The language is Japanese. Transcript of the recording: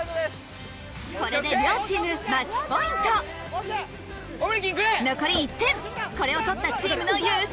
これで両チームマッチポイント残り１点これを取ったチームの優勝